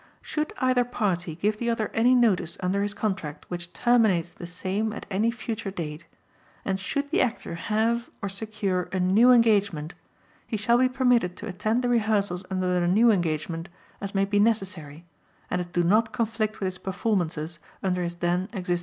Should either party give the other any notice under his contract which terminates the same at any future date and should the Actor have or secure a new engagement he shall be permitted to attend the rehearsals under the new engagement as may be necessary and as do not conflict with his performances under his then existing contract.